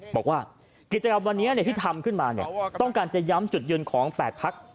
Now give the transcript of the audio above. บอกว่ากิจกรรมวันนี้ที่ทำขึ้นมาต้องการจะย้ำจุดยืนของ๘พัก